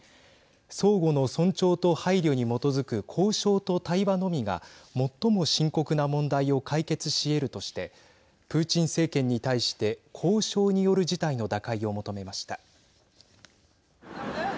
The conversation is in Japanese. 相互の尊重と配慮に基づく交渉と対話のみが最も深刻な問題を解決しえるとしてプーチン政権に対して交渉による事態の打開を求めました。